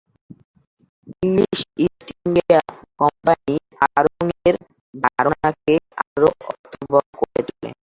English East India Company আড়ং-এর ধারণাকে আরও অর্থবহ করে তোলে।